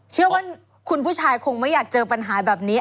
เชื่อว่าคุณผู้ชายคงไม่อยากเจอปัญหาแบบนี้